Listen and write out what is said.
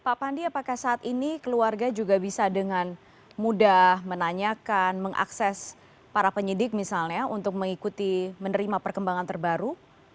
pak pandi apakah saat ini keluarga juga bisa dengan mudah menanyakan mengakses para penyidik misalnya untuk mengikuti menerima perkembangan terbaru